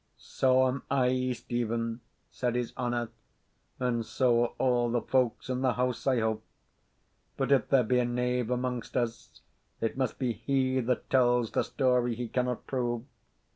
"So am I, Stephen," said his honour; "and so are all the folks in the house, I hope. But if there be a knave among us, it must be he that tells the story he cannot prove."